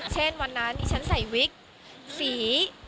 เช่นวันนั้นดิฉันใส่วิกสี